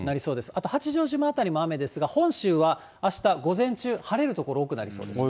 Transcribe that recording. あと八丈島辺りも雨ですが、本州はあした午前中、晴れる所多くなりそうです。